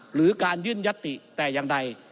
หรือการยื่นยัตติแต่อย่างใด